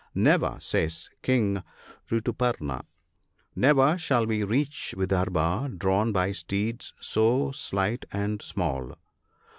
"Never," says King Rituparna —" Never shall we reach Vidarbha, drawn by steeds so slight and small."